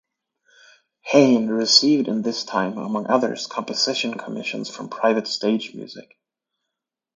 Heyn received in this time among others composition commissions from private stage music.